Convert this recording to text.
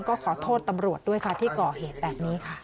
ก็ขอโทษตำรวจด้วยค่ะที่ก่อเหตุแบบนี้ค่ะ